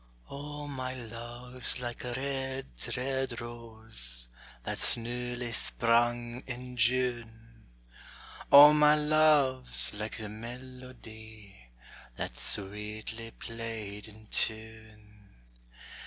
O, my Luve's like a red, red rose That's newly sprung in June: O, my Luve's like the melodie That's sweetly played in tune.